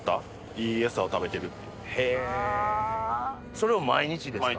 それを毎日ですか？